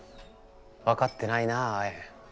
分かってないなアエン。